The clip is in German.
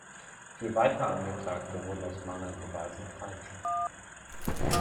Vier weitere Angeklagte wurden aus Mangel an Beweisen freigesprochen.